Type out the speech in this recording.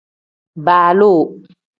Baaloo.